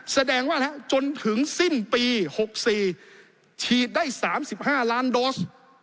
แสดงว่าจนถึงสิ้นปี๖๔ฉีดได้๓๕ล้านโดส